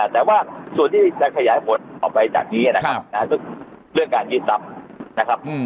แต่ว่าส่วนที่จะขยายผลออกไปจากนี้นะครับก็คือเรื่องการยืดทรัพย์นะครับ